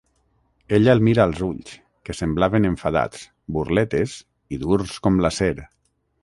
Ella el mira als ulls, que semblaven enfadats, burletes i durs com l'acer.